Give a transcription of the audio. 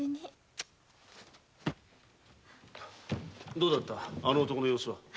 どうだったあの男の様子は？